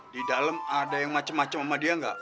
di dalam ada yang macem macem sama dia enggak